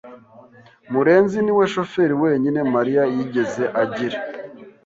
Murenzi niwe shoferi wenyine Mariya yigeze agira.